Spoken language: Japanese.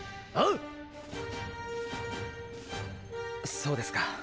そうですか。